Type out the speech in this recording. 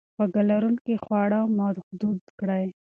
خواږه لرونکي خواړه محدود کړئ.